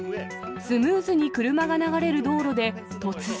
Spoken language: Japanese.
スムーズに車が流れる道路で突然、